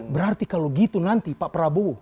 berarti kalau gitu nanti pak prabowo